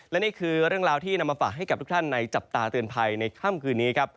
และนี่คือเรื่องราวที่นำมาฝากให้กับทุกท่านในจับตาเตือนภัยในค่ำคืนนี้ครับ